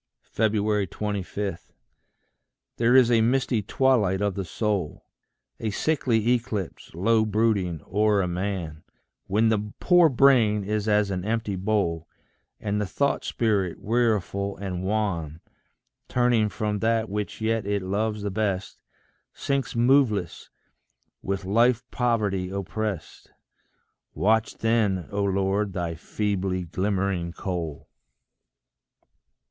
25. There is a misty twilight of the soul, A sickly eclipse, low brooding o'er a man, When the poor brain is as an empty bowl, And the thought spirit, weariful and wan, Turning from that which yet it loves the best, Sinks moveless, with life poverty opprest: Watch then, O Lord, thy feebly glimmering coal.